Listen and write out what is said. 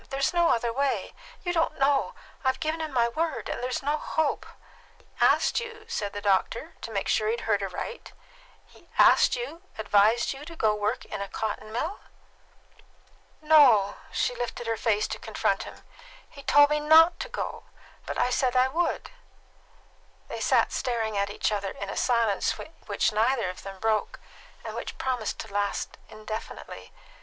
There's no other way. You don't know. I've given him my word, and there is no hope!" "He asked you," said the doctor, to make sure he had heard aright "he asked you advised you to go to work in a cotton mill?" "No;" she lifted her face to confront him. "He told me not to go; but I said I would." They sat staring at each other in a silence which neither of them broke, and which promised to last indefinitely.